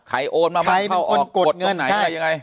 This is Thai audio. ใครโอนมาบ้างเข้าออกกดตรงไหนอะไรยังไง